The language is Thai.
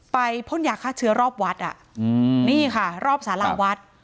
พ่นยาฆ่าเชื้อรอบวัดอ่ะอืมนี่ค่ะรอบสาราวัด